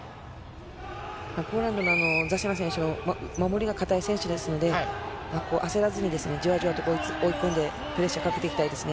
ポーランドの選手も守りが堅いので、焦らずにじわじわ追い込んでプレッシャーかけていきたいですね。